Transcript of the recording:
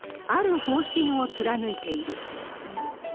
ある方針を貫いている。